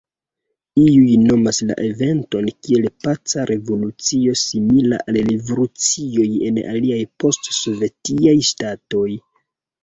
Iuj nomas la eventon kiel paca revolucio simila al revolucioj en aliaj post-sovetiaj ŝtatoj.